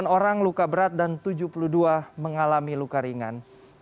delapan orang luka berat dan tujuh puluh dua mengalami luka ringan